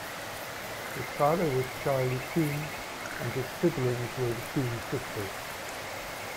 His father was Charlie Soong and his siblings were the Soong sisters.